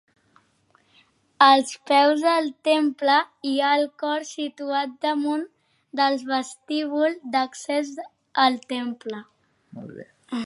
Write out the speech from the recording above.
Als peus del temple hi ha el cor, situat damunt del vestíbul d'accés al temple.